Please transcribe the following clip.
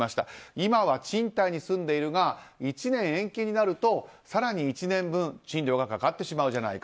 今は賃貸に住んでいるが１年延期になると更に１年分賃料がかかってしまうじゃないか。